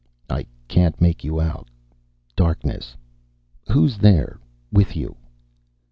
I can't make you out. Darkness.... Who's there? With you...."